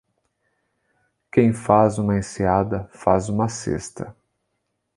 Quem faz uma enseada, faz uma cesta.